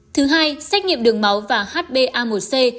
thứ hai xách nghiệm đường máu và hba một c